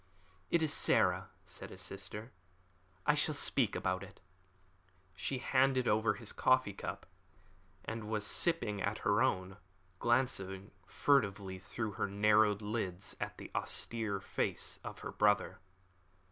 "It is Sarah," said his sister; "I shall speak about it." She had handed over his coffee cup, and was sipping at her own, glancing furtively through her narrowed lids at the austere face of her brother.